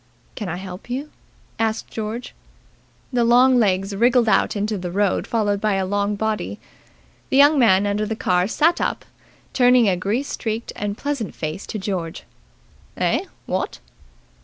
"Can I help you?" asked George. The long legs wriggled out into the road followed by a long body. The young man under the car sat up, turning a grease streaked and pleasant face to George. "Eh, what?"